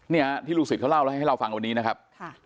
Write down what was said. เนี่ยที่ลูกศิษย์เขาเล่าแล้วให้เราฟังวันนี้นะครับ